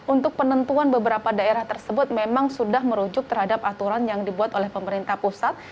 untuk penentuan beberapa daerah tersebut memang sudah merujuk terhadap aturan yang dibuat oleh pemerintah pusat